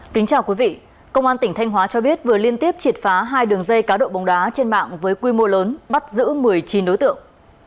kính chào quý vị công an tỉnh thanh hóa cho biết vừa liên tiếp triệt phá hai đường dây cá độ bóng đá trên mạng với quy mô lớn bắt giữ một mươi chín đối tượng